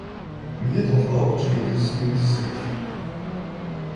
Миний толгойн өвчин эдгэрсэн мэт сэргэлэн.